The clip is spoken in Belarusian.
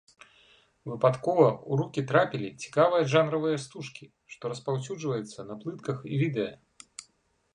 Выпадкова ў рукі трапілі цікавыя жанравыя стужкі, што распаўсюджваюцца на плытках і відэа.